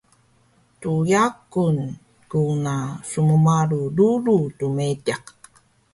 dyagun kuna smmalu rulu tmediq